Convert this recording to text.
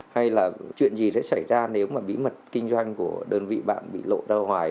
hay là chuyện gì sẽ xảy ra nếu mà bí mật kinh doanh của đơn vị bạn bị lộ ra ngoài